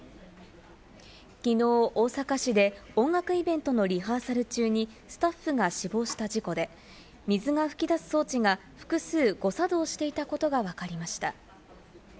きのう、大阪市で音楽イベントのリハーサル中にスタッフが死亡した事故で、水が噴き出す装置が複数、誤作動していたことがわかりました。